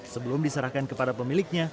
sebelum diserahkan kepada pemiliknya